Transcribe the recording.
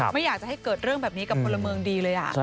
ไม่อยากจะให้เกิดเรื่องแบบนี้กับพลเมืองดีเลย